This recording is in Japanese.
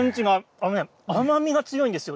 あのね、甘みが強いんですよ。